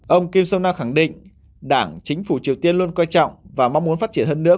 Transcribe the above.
ông kim sông nam khẳng định đảng chính phủ triều tiên luôn quan trọng và mong muốn phát triển hơn nữa